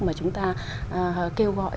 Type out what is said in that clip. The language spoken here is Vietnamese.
mà chúng ta kêu gọi